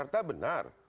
dan jakarta benar